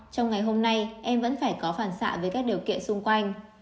trong ngày hôm nay em vẫn phải có phản xạ với các điều kiện xung quanh